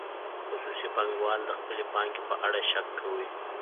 خصوصي پانګوال د خپلې پانګې په اړه شک کې وو.